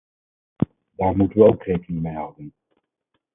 Daar moeten we ook rekening mee houden.